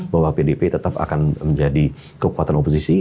bahwa pdip tetap akan menjadi kekuatan oposisi